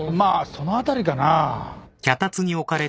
その辺りかなぁ。